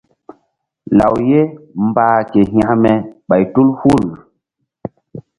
Law ye mbah ke hekme ɓay tu hul.